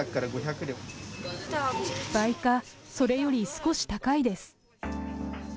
倍か、それより少し高いです。